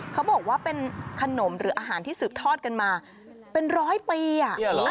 เขาบอกว่าเป็นขนมหรืออาหารที่สืบทอดกันมาเป็นร้อยปีอ่ะ